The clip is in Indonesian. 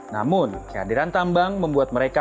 namun kehadiran tambang membuat mereka